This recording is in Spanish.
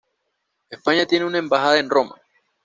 España tiene una embajada en Roma.